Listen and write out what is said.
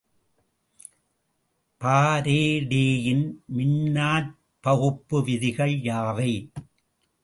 பாரடேயின் மின்னாற்பகுப்பு விதிகள் யாவை?